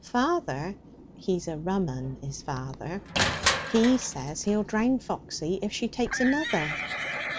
'Father (he's a rum 'un, is father!), he says he'll drown Foxy if she takes another.'